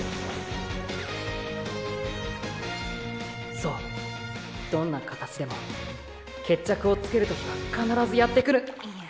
そうどんな形でも決着をつける時は必ずやって来るいや